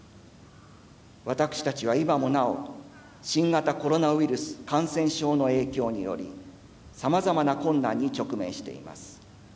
私たちは今もなお新型コロナウイルス感染症の影響により様々な困難に直面しています。